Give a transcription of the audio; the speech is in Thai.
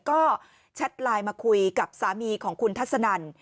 ก็แชทไลน์มาคุยกับสามีของคุณทัศนัน